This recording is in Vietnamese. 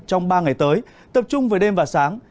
trong ba ngày tới tập trung về đêm và sáng